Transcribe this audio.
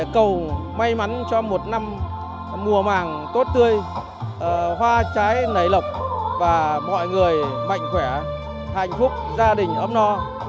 cầu may mắn cho một năm mùa màng tốt tươi hoa trái nảy lọc và mọi người mạnh khỏe hạnh phúc gia đình ấm no